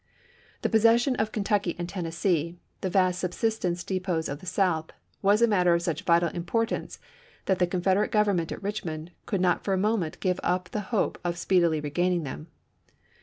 The possession of Kentucky and Tennessee, the vast subsistence depots of the South, was a matter of such vital importance that the Confederate G ov ernment at Richmond could not for a moment give up the hope of speedily regaining them.